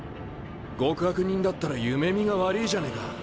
極悪人だったら夢見が悪ぃじゃねえか。